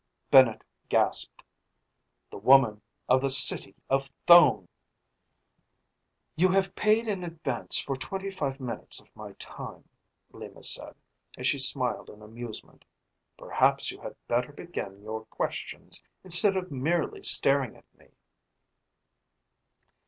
Bennett gasped. "The woman of the city of Thone!" "You have paid in advance for twenty five minutes of my time," Lima said, as she smiled in amusement. "Perhaps you had better begin your questions, instead of merely staring at me."